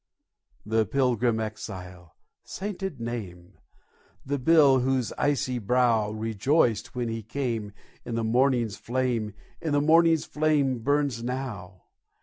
The pilgrim exile, sainted name! The hill whose icy brow Rejoiced, when he came, in the morning's flame, In the morning's flame burns now.